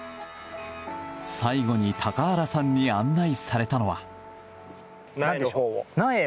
最後に、高原さんに案内されたのは。